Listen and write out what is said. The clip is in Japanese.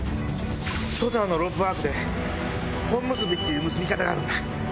登山のロープワークで本結びっていう結び方があるんだ。